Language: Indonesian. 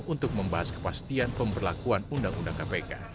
untuk membahas kepastian pemberlakuan undang undang kpk